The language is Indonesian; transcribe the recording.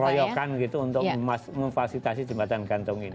royokan gitu untuk memfasilitasi jembatan gantung ini